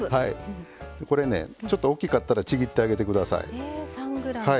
これねちょっとおっきかったらちぎってあげて下さい。